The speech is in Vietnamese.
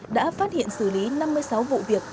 đã phát hiện xử lý năm mươi sáu vụ việc